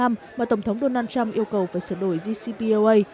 mà tổng thống donald trump yêu cầu phải sửa đổi gcpoa